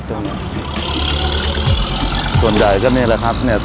ส่วนใหญ่ก็นี่แหละครับ